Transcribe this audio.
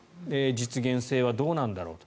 実現性はどうなんだろうと。